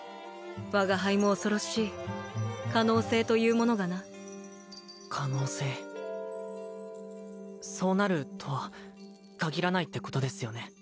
我が輩も恐ろしい可能性というものがな可能性そうなるとは限らないってことですよね？